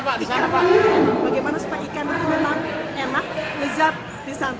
bagaimana supaya ikan memang enak lezat disantap